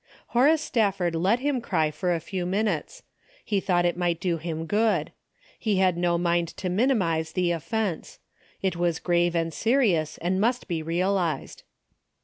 Horace Stafford let him cry for a few min utes. He thought it might do him good. He had no mind to minimize the offence. It was grave and serious and must be realized.